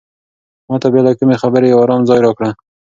ما ته بې له کومې خبرې یو ارام ځای راکړه.